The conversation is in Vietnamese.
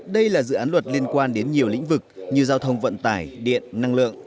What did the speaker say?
đây là dự án luật liên quan đến nhiều lĩnh vực như giao thông vận tải điện năng lượng